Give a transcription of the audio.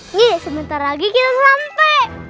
nanti sebentar lagi kita sampai